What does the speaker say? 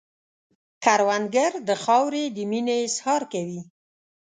کروندګر د خاورې د مینې اظهار کوي